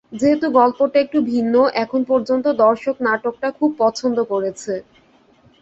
যেহেতু গল্পটা একটু ভিন্ন, এখন পর্যন্ত দর্শক নাটকটা খুব পছন্দ করেছে।